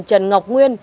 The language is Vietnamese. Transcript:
trần ngọc nguyên